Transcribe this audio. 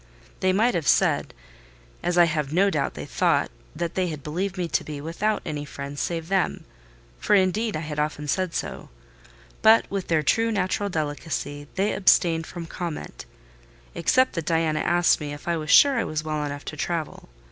They might have said, as I have no doubt they thought, that they had believed me to be without any friends save them: for, indeed, I had often said so; but, with their true natural delicacy, they abstained from comment, except that Diana asked me if I was sure I was well enough to travel.